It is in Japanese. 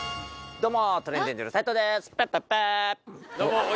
どうも。